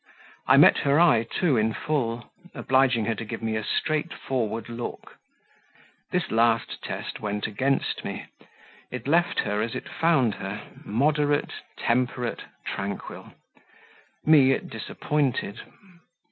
I met her eye too in full obliging her to give me a straightforward look; this last test went against me: it left her as it found her moderate, temperate, tranquil; me it disappointed.